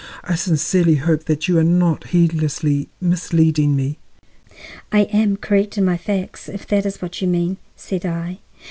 I sincerely hope that you are not heedlessly misleading me." "I am correct in my facts, if that is what you mean," said I.